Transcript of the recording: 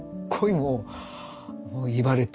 もう言われて。